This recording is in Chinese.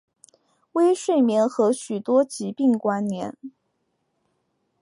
微睡眠和许多疾病关联。